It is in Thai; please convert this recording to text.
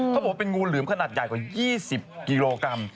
เขาบอกว่าเป็นงูเหลือมขนาดใหญ่กว่า๒๐กิโลกรัม